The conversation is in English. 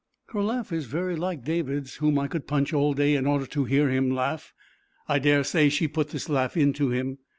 Her laugh is very like David's, whom I could punch all day in order to hear him laugh. I dare say she put this laugh into him.